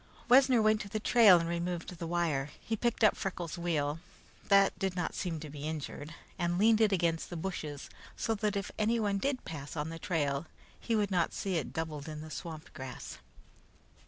Wessner went to the trail and removed the wire. He picked up Freckles' wheel, that did not seem to be injured, and leaned it against the bushes so that if anyone did pass on the trail he would not see it doubled in the swamp grass.